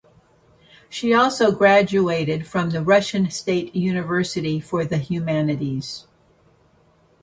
She also graduated from the Russian State University for the Humanities.